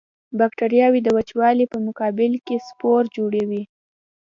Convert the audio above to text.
بکټریاوې د وچوالي په مقابل کې سپور جوړوي.